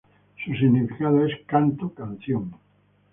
Su significado es "canto, canción".